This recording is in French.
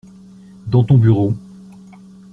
Dans ton bureau.